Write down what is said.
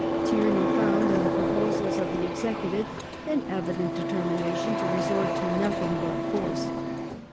Tiemey found in the proposals of the Executive "an evident determination to resort to nothing but force